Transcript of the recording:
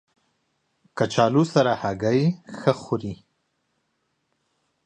کچالو سره هګۍ ښه خوري